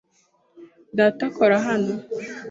Data akora hano.